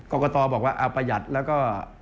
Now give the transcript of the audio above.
กรกตบอกว่าเอาประหยัดแล้วก็